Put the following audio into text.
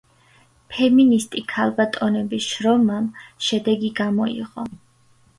ფემინისტი ქალბატონების შრომამ შედეგი გამოიღო.